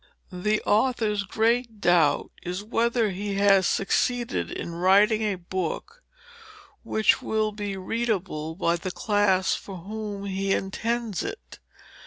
The author's great doubt is, whether he has succeeded in writing a book which will be readable by the class for whom he intends it.